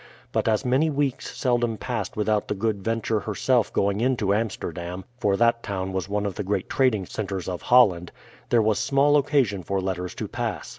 But as many weeks seldom passed without the Good Venture herself going into Amsterdam, for that town was one of the great trading centres of Holland, there was small occasion for letters to pass.